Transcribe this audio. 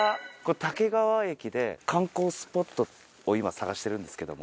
武川駅で観光スポットを今探してるんですけども。